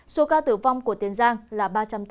số ca tử vong của tiền giang là ba trăm tám mươi tám